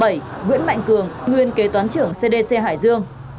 nguyễn mạnh cường nguyên kế toán trưởng cdc hải dương